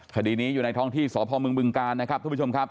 คดีนี้อยู่ในท้องที่สพมบึงกาลนะครับทุกผู้ชมครับ